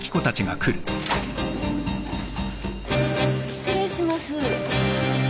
失礼します。